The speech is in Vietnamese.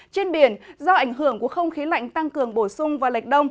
trên biển do ảnh hưởng của không khí lạnh tăng cường bổ sung và lệch đông